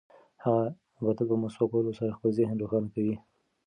هغه تل په مسواک وهلو سره خپل ذهن روښانه کوي.